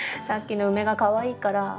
さっきのウメがかわいいから。